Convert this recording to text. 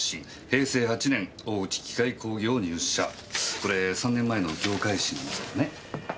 これ３年前の業界誌なんですけどね。